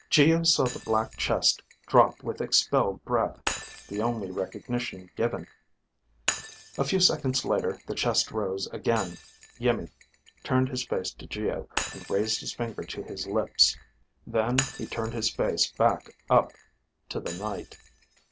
Geo saw the black chest drop with expelled breath, the only recognition given. A few seconds later the chest rose again. Iimmi turned his face to Geo and raised his finger to his lips. Then he turned his face back up to the night.